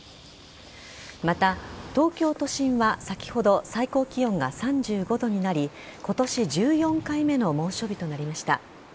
また、東京都心は先ほど最高気温が３５度になり今年１４回目の猛暑日となりました。